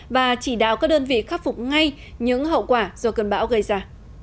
và chỉ đạo các đơn vị khắc phục ngay những hậu quả do cơn bão gây ra